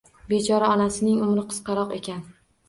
Bechora onasining umri qisqaroq ekan